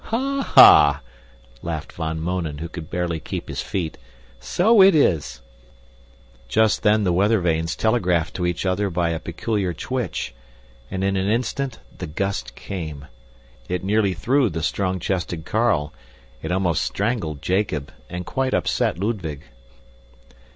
"Ha, ha!" laughed Van Mounen, who could barely keep his feet. "So it is." Just then the weather vanes telegraphed to each other by a peculiar twitch and, in an instant, the gust came. It nearly threw the strong chested Carl; it almost strangled Jacob and quite upset Ludwig.